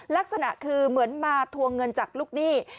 ลักษณะคือเหมือนมาทวงเงินจากลูกหนี้